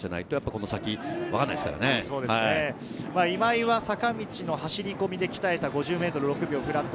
今井は坂道の走り込みで鍛えた５０ｍ６秒フラット。